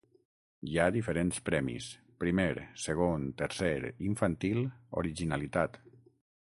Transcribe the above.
Hi ha diferents premis: primer, segon, tercer, infantil, originalitat.